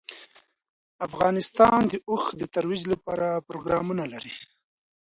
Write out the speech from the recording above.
افغانستان د اوښ د ترویج لپاره پروګرامونه لري.